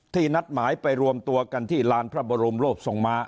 นัดหมายไปรวมตัวกันที่ลานพระบรมโลภทรงม้า